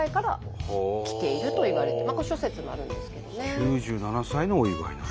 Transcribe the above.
９７歳のお祝いなんだ。